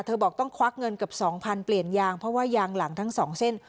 บอกต้องควักเงินเกือบ๒๐๐เปลี่ยนยางเพราะว่ายางหลังทั้งสองเส้น